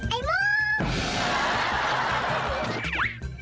ไอ้มู